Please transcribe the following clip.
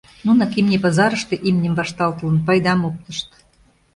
Нунак имне пазарыште, имньым вашталтылын, пайдам оптышт.